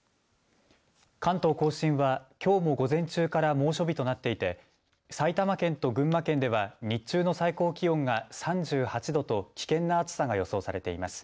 関東甲信はきょうも午前中から猛暑日となっていて埼玉県と群馬県では日中の最高気温が３８度と危険な暑さが予想されています。